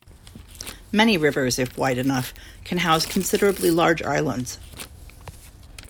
Many rivers, if wide enough, can house considerably large islands.